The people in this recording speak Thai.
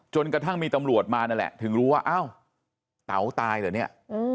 กระทั่งมีตำรวจมานั่นแหละถึงรู้ว่าอ้าวเต๋าตายเหรอเนี่ย